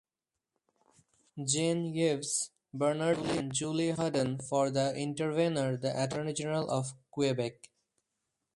Jean-Yves Bernard and Julie Hudon, for the intervener the Attorney General of Quebec.